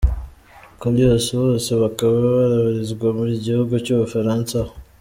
Coolious" bose bakaba babarizwa mu gihugu cy'Ubufaransa aho.